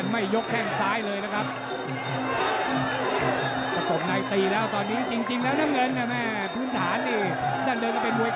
ตักเกาะยางไปเรื่อย